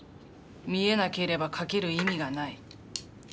見えなければかける意味がない。